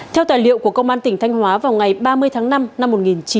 theo tài liệu của công an tỉnh thanh hóa vào ngày ba mươi tháng năm năm hai nghìn một mươi chín